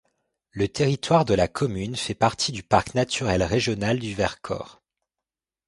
Le territoire de la commune fait partie du Parc naturel régional du Vercors.